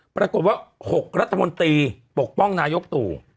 ปรากฏว่า๖รัฐมนตรีปกป้องนายกตู่